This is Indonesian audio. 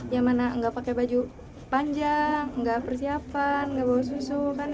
ya mana nggak pakai baju panjang nggak persiapan nggak bawa susu